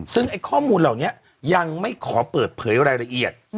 ซึ่งไอ้ข้อมูลเหล่านี้ยังไม่ขอเปิดเผยรายละเอียด